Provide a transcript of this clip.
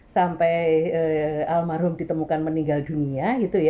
sampai almarhum ditemukan meninggal dunia